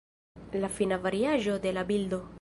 La fina variaĵo de la bildo.